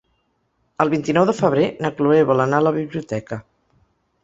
El vint-i-nou de febrer na Chloé vol anar a la biblioteca.